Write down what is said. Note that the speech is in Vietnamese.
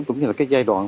cũng như là giai đoạn